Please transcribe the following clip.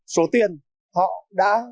số tiền họ đã